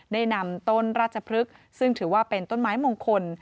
ได้นำต้นราชพฤกษ์ซึ่งถือว่าเป็นต้นไม้มงคล